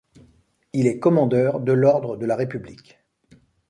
Il est commandeur de l'Ordre de la République.